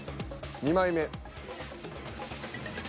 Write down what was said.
２枚目。